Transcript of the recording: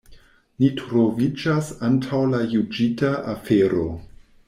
Ni troviĝas antaŭ la juĝita afero.